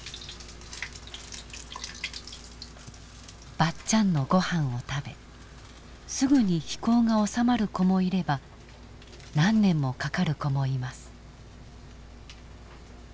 ばっちゃんのごはんを食べすぐに非行がおさまる子もいれば何年もかかる子もいます。